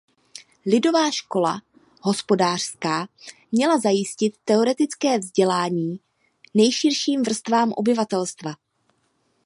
Lidová škola hospodářská měla zajistit teoretické vzdělání nejširším vrstvám obyvatelstva.